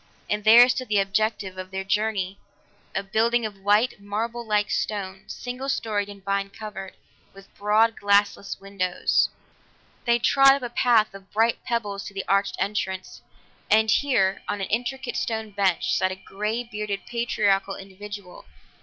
And there stood the objective of their journey a building of white, marble like stone, single storied and vine covered, with broad glassless windows. They trod upon a path of bright pebbles to the arched entrance, and here, on an intricate stone bench, sat a grey bearded patriarchal individual.